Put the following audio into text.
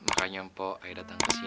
makanya mpo ae datang kesini